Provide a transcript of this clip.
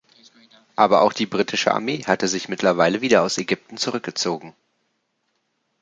Aber auch die britische Armee hatte sich mittlerweile wieder aus Ägypten zurückgezogen.